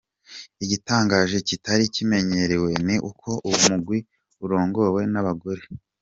Igitangaje kitari kimenyerewe ni uko uwo mugwi urongowe n'abagore».